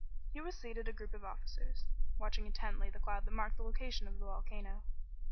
Here was seated a group of officers, watching intently the cloud that marked the location of the volcano.